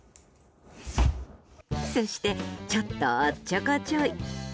そしてちょっとおっちょこちょい。